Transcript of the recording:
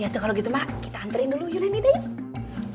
ya kalau gitu mak kita anterin dulu yulian dinda yuk